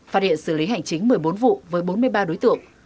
phát hiện xử lý hành chính một mươi bốn vụ với bốn mươi ba đối tượng